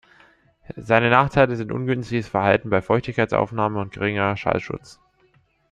Seine Nachteile sind ungünstiges Verhalten bei Feuchtigkeitsaufnahme und geringer Schallschutz.